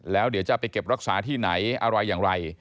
แล้วเดี๋ยวจะไปเก็บรักษาที่ไหนอะไรอย่างไร